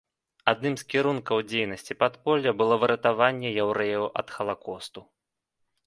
Адным з кірункаў дзейнасці падполля было выратаванне яўрэяў ад халакосту.